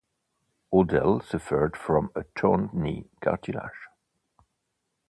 O'Dell suffered from a torn knee cartilage.